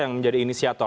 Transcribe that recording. yang menjadi inisiator